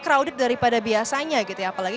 crowded daripada biasanya gitu ya apalagi